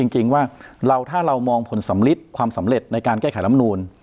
จริงว่าถ้าเรามองผลสำริดในการแก้ไขร้ำนูน